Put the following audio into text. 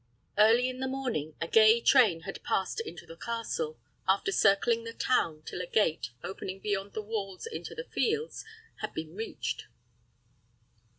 Early in the morning, a gay train had passed into the castle, after circling the town till a gate, opening beyond the walls into the fields, had been reached.